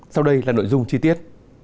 sau đây là nội dung chi tiết